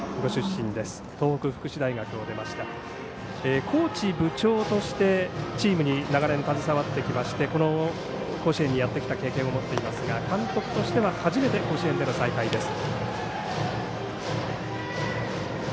チームにコーチとして長年携わってきましてこの甲子園にやってきた経験を持っていますが監督としては初めて甲子園での采配です。